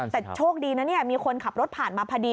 แต่โชคดีนะเนี่ยมีคนขับรถผ่านมาพอดี